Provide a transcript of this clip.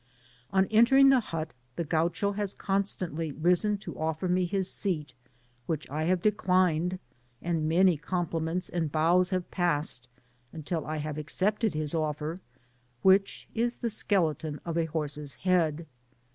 On entering the but, the Gaucho has o(Histantly risen to offer me his seat, which I have declined, and many compliments and bows have passed,' until I have accepted his offer,— the skeleton of a horse^s head.